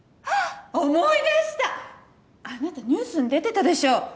思い出したあなたニュースに出てたでしょ。